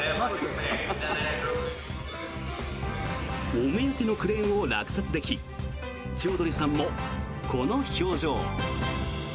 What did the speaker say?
お目当てのクレーンを落札できチョウドリさんもこの表情。